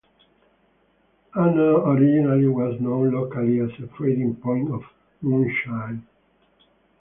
Uno originally was known locally as a trading point of moonshine.